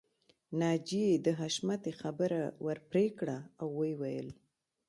ناجیې د حشمتي خبره ورپرې کړه او ويې ويل